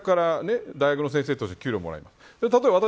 大学から大学の先生として給料をもらいます。